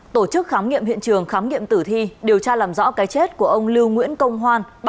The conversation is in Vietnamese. tổ chức khám nghiệm hiện trường khám nghiệm tử thi điều tra làm rõ cái chết của ông lưu nguyễn công hoan